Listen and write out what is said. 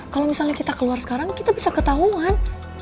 kalau misalnya kita keluar sekarang kita bisa ketahuan